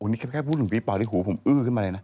นี่แค่พูดถึงพี่ป่าที่หูผมอื้อขึ้นมาเลยนะ